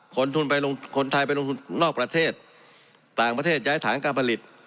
ทุนไปลงคนไทยไปลงทุนนอกประเทศต่างประเทศย้ายฐานการผลิต